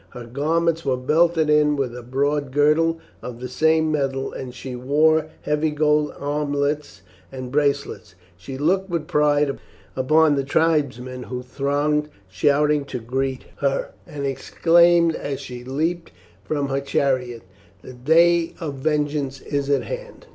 Her garments were belted in with a broad girdle of the same metal, and she wore heavy gold armlets and bracelets. She looked with pride upon the tribesmen who thronged shouting to greet her, and exclaimed as she leapt from her chariot, "The day of vengeance is at hand."